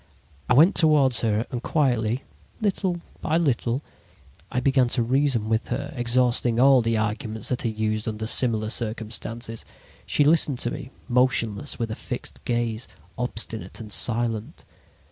"I went toward her and quietly, little by little, I began to reason with her, exhausting all the arguments that are used under similar circumstances. She listened to me, motionless, with a fixed gaze, obstinate and silent.